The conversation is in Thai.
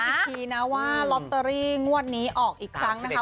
อีกทีนะว่าลอตเตอรี่งวดนี้ออกอีกครั้งนะคะ